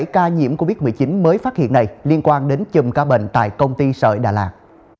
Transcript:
bảy ca nhiễm covid một mươi chín mới phát hiện này liên quan đến chùm ca bệnh tại công ty sợi đà lạt